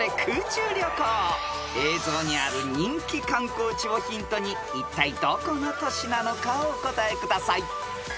［映像にある人気観光地をヒントにいったいどこの都市なのかお答えください］